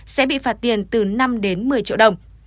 sẽ bị phạt tiền từ năm đến một mươi triệu đồng